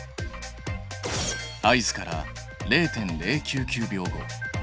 合図から０．０９９秒後。